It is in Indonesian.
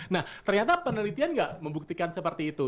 nah ternyata penelitian nggak membuktikan seperti itu